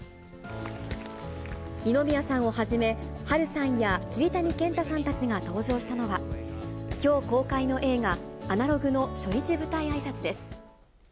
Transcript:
二宮さんをはじめ、波瑠さんや桐谷健太さんたちが登場したのは、きょう公開の映画、アナログの初日舞台あいさつです。